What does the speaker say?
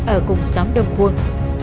ở cùng xóm đông khuông